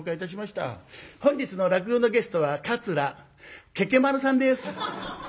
「本日の落語のゲストは桂ケケ丸さんです」。